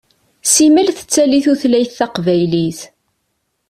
Simmal tettali tutlayt taqbaylit.